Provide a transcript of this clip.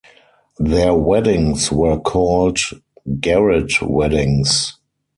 Their weddings were called "garret-weddings".